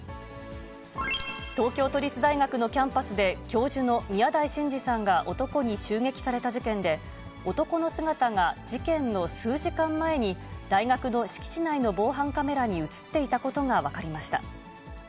東京都立大学のキャンパスで、教授の宮台真司さんが男に襲撃された事件で、男の姿が事件の数時間前に、大学の敷地内の防犯カメラに写っていたことが分かりました。